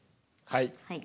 はい。